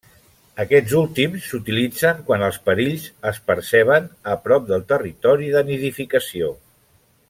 Aquests últims s'utilitzen quan els perills es perceben a prop del territori de nidificació.